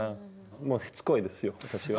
しつこいですよ私は。